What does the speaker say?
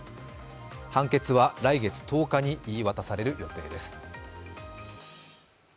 判決は来月１０日に言い渡される予定です。